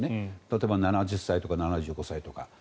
例えば７０歳とか７５歳とか。